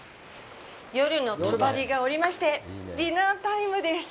夜のとばりが下りまして、ディナータイムです！